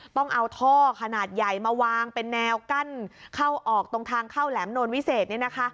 ต้องเอาท่อขนาดใหญ่มาวางเป็นแนวกั้นเข้าออกตรงทางเข้าแหลมโนลวิเศษ